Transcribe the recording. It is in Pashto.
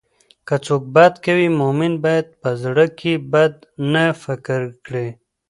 که څوک بد کوي، مؤمن باید په زړه کې بد نه فکر کړي.